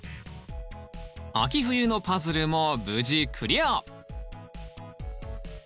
秋冬のパズルも無事クリア！